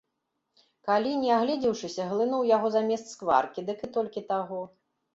Калі, не агледзеўшыся, глынуў яго замест скваркі, дык і толькі таго.